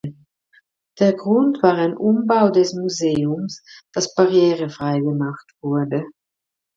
Der Grund war ein Umbau des Museums, das barrierefrei gemacht wurde.